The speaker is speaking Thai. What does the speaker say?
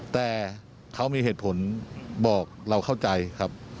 แต่เขามีเหตุผลบอกเราเข้าใจครับ